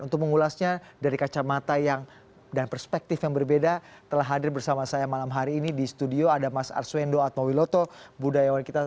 untuk mengulasnya dari kacamata dan perspektif yang berbeda telah hadir bersama saya malam hari ini di studio ada mas arswendo atmawiloto budayawan kita